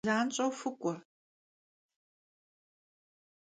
Zanş'eu fık'ue.